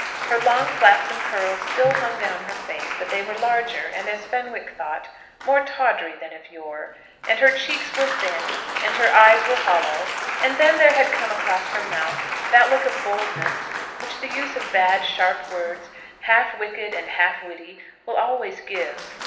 Her long flaxen curls still hung down her face, but they were larger, and, as Fenwick thought, more tawdry than of yore; and her cheeks were thin, and her eyes were hollow; and then there had come across her mouth that look of boldness which the use of bad, sharp words, half wicked and half witty, will always give.